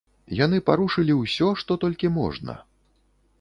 Яны парушылі ўсё, што толькі можна.